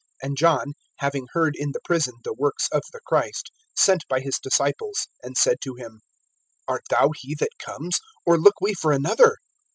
(2)And John, having heard in the prison the works of the Christ, sent by his disciples, (3)and said to him: Art thou he that comes, or look we for another?